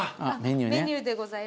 メニューでございます